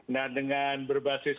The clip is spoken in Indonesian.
nah dengan berbasis